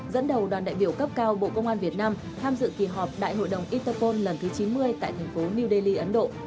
dẫn đầu đoàn đại biểu cấp cao bộ công an việt nam tham dự kỳ họp đại hội đồng interpol lần thứ chín mươi tại thành phố new delhi ấn độ